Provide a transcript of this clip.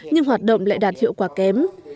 nhưng hoạt động lại đạt hiệu quả kém